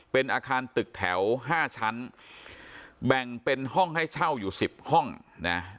เป็นอาคารตึกแถวห้าชั้นแบ่งเป็นห้องให้เช่าอยู่สิบห้องนะ